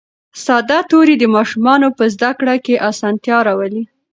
ساده توري د ماشومانو په زده کړه کې اسانتیا راولي